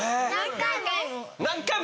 何回も？